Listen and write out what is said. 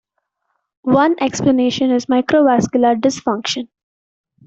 One explanation is microvascular dysfunction.